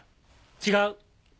違う！